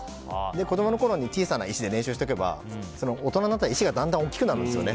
子供のころに小さな石で練習しておけば大人になったら石がだんだん大きくなるんですよね。